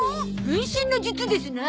分身の術ですな。